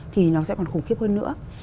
thì nó sẽ còn khủng khiếp hơn nữa